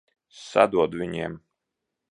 Sadod viņiem!